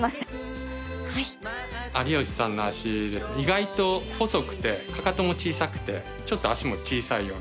有吉さんの足意外と細くてかかとも小さくてちょっと足も小さいような。